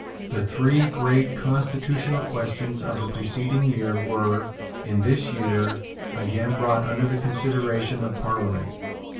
The three great constitutional questions of the preceding year were, in this year, again brought under the consideration of Parliament.